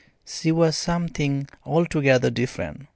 She was something altogether different.